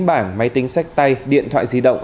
bảng máy tính sách tay điện thoại di động